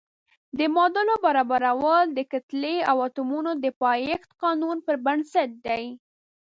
د معادلو برابرول د کتلې او اتومونو د پایښت قانون پر بنسټ دي.